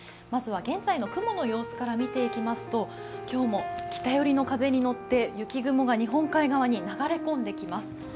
まずは現在の雲の様子から見ていきますと今日も北寄りの風に乗って雪雲が日本海側に流れ込んできます。